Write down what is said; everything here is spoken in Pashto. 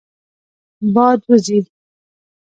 باد وزي.